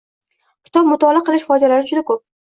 Kitob mutolaa qilish foydalari juda ko‘p.